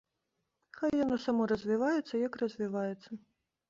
Хай яно само развіваецца, як развіваецца.